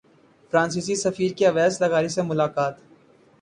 فرانسیسی سفیر کی اویس لغاری سے ملاقات